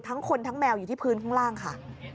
ทั้งคนทั้งแมวอยู่ที่พื้นข้างล่างค่ะ